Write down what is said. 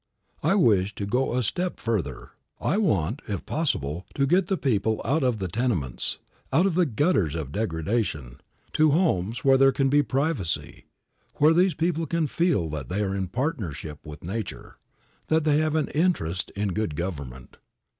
I wish to go a step further. I want, if possible, to get the people out of the tenements, out of the gutters of degradation, to homes where there can be privacy, where these people can feel that they are in partnership with nature; that they have an interest in good government.